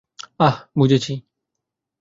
আহ, বুঝেছি।